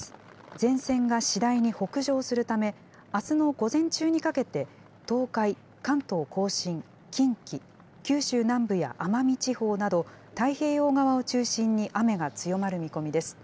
前線が次第に北上するため、あすの午前中にかけて、東海、関東甲信、近畿、九州南部や奄美地方など、太平洋側を中心に雨が強まる見込みです。